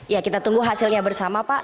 ya kita tunggu hasilnya bersama pak